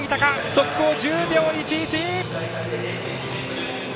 速報１０秒１１！